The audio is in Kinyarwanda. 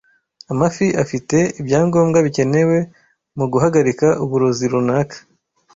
Amagi afite ibyangombwa bikenewe mu guhagarika uburozi runaka.